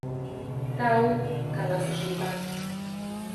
Тау, — каласыш Лука.